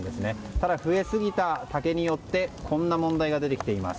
ただ、増えすぎた竹によってこんな問題が出てきています。